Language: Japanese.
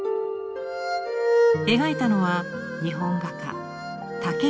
描いたのは日本画家竹内栖鳳。